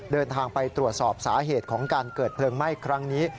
เดินทางไปตรวจสอบสาเหตุของการเกิดเพลิงไหม้ครั้งนี้